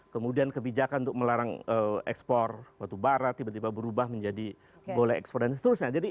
kemudian kebijakan untuk melarang ekspor batubara tiba tiba berubah menjadi boleh ekspor dan seterusnya